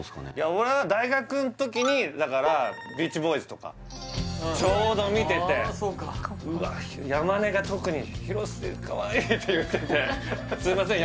俺は大学の時にだから「ビーチボーイズ」とかちょうど見てて山根が特に「広末かわいい」って言っててすいません